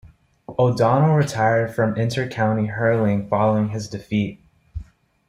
O'Donnell retired from inter-county hurling following this defeat.